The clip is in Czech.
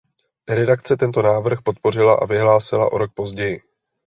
Redakce tento návrh podpořila a vyhlásila o rok později.